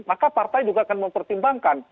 maka partai juga akan mempertimbangkan